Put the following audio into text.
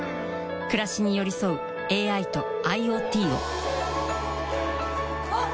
暮らしに寄り添うＡＩとＩｏＴをわぁ！